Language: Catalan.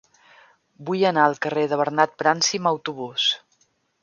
Vull anar al carrer de Bernat Bransi amb autobús.